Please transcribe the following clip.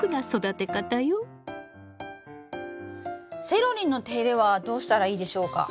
セロリの手入れはどうしたらいいでしょうか？